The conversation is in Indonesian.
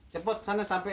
cepet sana sampein